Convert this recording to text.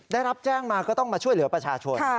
ได้รับแจ้งมาก็ต้องมาช่วยเหลือประชาชน